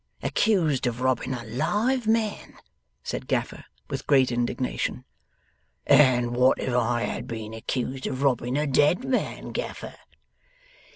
Accused of robbing a live man!' said Gaffer, with great indignation. 'And what if I had been accused of robbing a dead man, Gaffer?